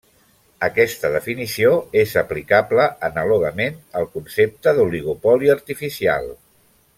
Aquesta definició és aplicable anàlogament al concepte d'oligopoli artificial.